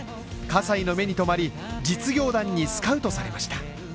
葛西の目に留まり実業団にスカウトされました。